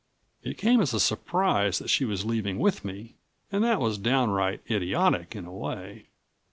It came as a surprise that she was leaving with me, and that was downright idiotic, in a way.